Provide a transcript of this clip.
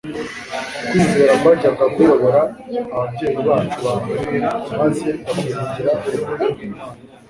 Ukwizera kwajyaga kuyobora ababyeyi bacu ba mbere maze bakiringira urukundo rw'Imana,